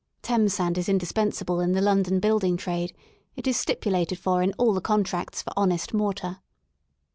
(Thames sand is indispensable in the London building trade ; it is stipu lated for in all the contracts for honest mortar.)